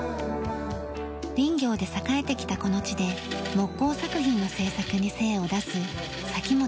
林業で栄えてきたこの地で木工作品の制作に精を出す先本宏治さん。